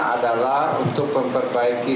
adalah untuk memperbaiki